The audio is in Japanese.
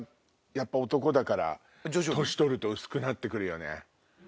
やっぱ男だから年取ると薄くなって来るよね。